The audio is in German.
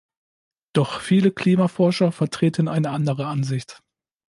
Doch viele Klimaforscher vertreten eine andere Ansicht.